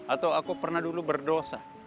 atau aku pernah dulu berdosa